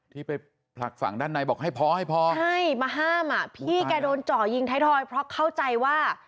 ที่ไปผลักฝั่งด้านในบอกให้พอให้พอใช่มาห้ามอ่ะพี่แกโดนเจาะยิงไทยทอยเพราะเข้าใจว่า